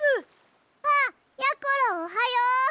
あっやころおはよう！